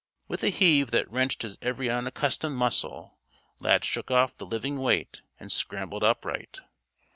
With a heave that wrenched his every unaccustomed muscle, Lad shook off the living weight and scrambled upright.